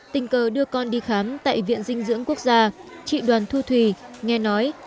tình cờ đưa con đi khám tại viện dinh dưỡng quốc gia chị đoàn thu thủy nghe nói